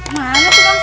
mane sudah druck